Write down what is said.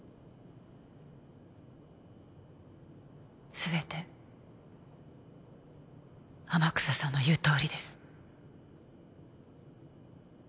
全て天草さんの言うとおりです。